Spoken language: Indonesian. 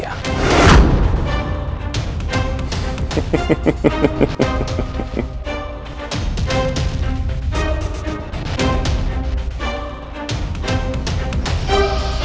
ya ampun anjing